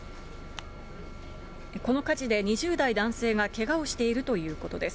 この火事で、２０代男性がけがをしているということです。